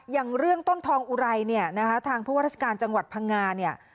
อย่างเรื่องต้นทองอุไรเนี่ยทางพฤษฐการณ์จังหวัดพังงาเนี่ย